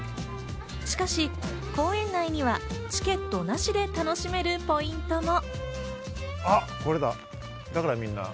しかし、公園内にはチケットなしで楽しめるポイントも。